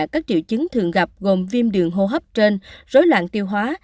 các triệu chứng thường gặp gồm viêm đường hô hấp trên rối loạn tiêu hóa